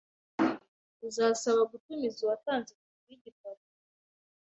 Uzasaba gutumiza uwatanze kopi yigitabo?